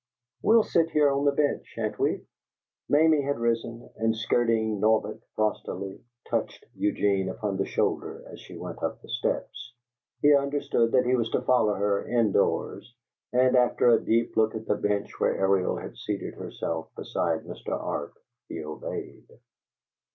"We'll sit here on the bench, sha'n't we?" Mamie had risen, and skirting Norbert frostily, touched Eugene upon the shoulder as she went up the steps. He understood that he was to follow her in doors, and, after a deep look at the bench where Ariel had seated herself beside Mr. Arp, he obeyed.